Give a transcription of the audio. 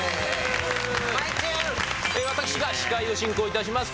私が司会を進行致します